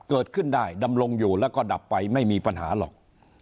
เกิดขึ้นได้ดำรงอยู่แล้วก็ดับไปไม่มีปัญหาหรอก